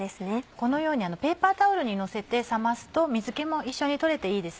このようにペーパータオルにのせて冷ますと水気も一緒に取れていいです。